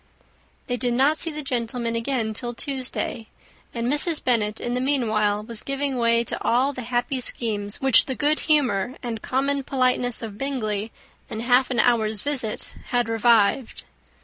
They did not see the gentlemen again till Tuesday; and Mrs. Bennet, in the meanwhile, was giving way to all the happy schemes which the good humour and common politeness of Bingley, in half an hour's visit, had revived.